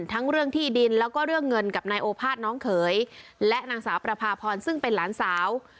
ทั้งเรื่องที่ดินแล้วก็เรื่องเงินกับนายโอภาษน้องเขยและนางสาวประพาพรซึ่งเป็นหลานสาว